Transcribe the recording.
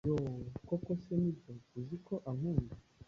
Yoo, koko se nibyo, uziko unkunda